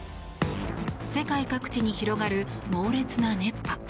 世界各地に広がる猛烈な熱波。